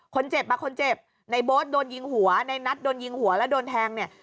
คนเจ็บอ่ะคนเจ็บในโบ๊ทโดนยิงหัวในนัทโดนยิงหัวแล้วโดนแทงเนี่ย